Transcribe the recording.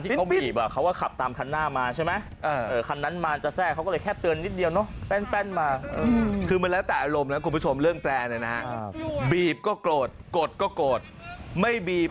ถีกบีบข้านี้ที่เขาบีบอะเขาก็ขับตามหน้ามาใช่ไหม